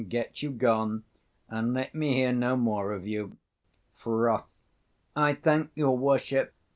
Get you gone, and let me hear no more of you. 195 Froth. I thank your worship.